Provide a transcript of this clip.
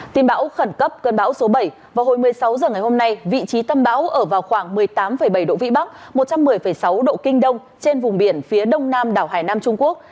tin bão khẩn cấp cơn bão số bảy vào hồi một mươi sáu h ngày hôm nay vị trí tâm bão ở vào khoảng một mươi tám bảy độ vĩ bắc một trăm một mươi sáu độ kinh đông trên vùng biển phía đông nam đảo hải nam trung quốc